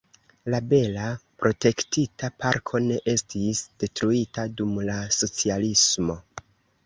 La bela protektita parko ne estis detruita dum la socialismo.